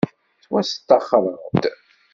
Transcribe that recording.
Ttwasṭaxreɣ-d.